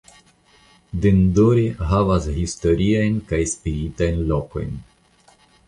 Dindori havas historiajn kaj spiritajn lokojn.